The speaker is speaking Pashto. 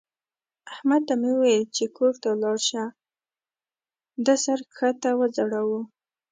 احمد ته مې وويل چې کور ته ولاړ شه؛ ده سر کښته وځړاوو.